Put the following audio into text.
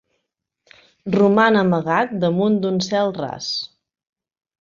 Roman amagat damunt d'un cel ras.